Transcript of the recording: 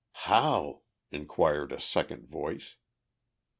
"How?" inquired a second voice.